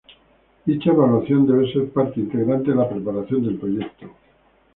Dicha evaluación debe ser parte integrante de la preparación del proyecto.